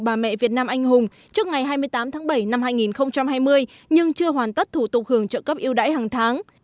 bà mẹ việt nam anh hùng trước ngày hai mươi tám tháng bảy năm hai nghìn hai mươi nhưng chưa hoàn tất thủ tục hưởng trợ cấp yêu đáy hàng tháng